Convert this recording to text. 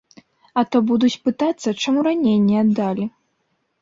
А то будуць пытацца, чаму раней не аддалі.